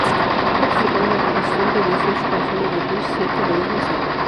Ha participado en la composición de dieciocho canciones de Phish, siete de ellas sólo.